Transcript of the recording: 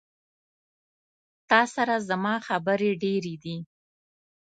تا سره زما خبري ډيري دي